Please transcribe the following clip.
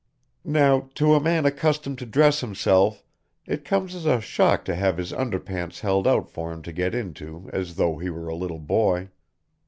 Now, to a man accustomed to dress himself it comes as a shock to have his underpants held out for him to get into as though he were a little boy.